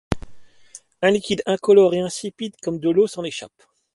Un liquide incolore et insipide comme de l'eau s'en échappe.